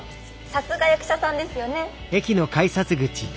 さすが役者さんですよね。